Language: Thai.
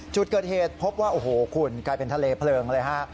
จุดเกิดเหตุพบว่าโอ้โหคุณกลายเป็นทะเลเพลิงเลยฮะ